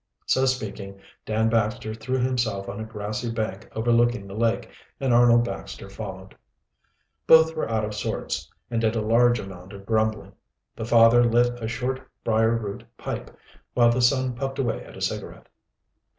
So speaking, Dan Baxter threw himself on a grassy bank overlooking the lake, and Arnold Baxter followed. Both were out of sorts and did a large amount of grumbling. The father lit a short briar root pipe, while the son puffed away at a cigarette.